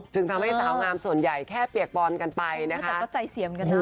ทำให้สาวงามส่วนใหญ่แค่เปียกปอนกันไปนะคะแต่ก็ใจเสียเหมือนกันนะ